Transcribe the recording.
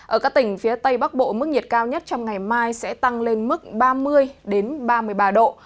ở các tỉnh phía tây bắc bộ mức nhiệt cao nhất trong ngày mai sẽ tăng lên mức ba mươi ba mươi ba độ